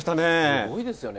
すごいですよね。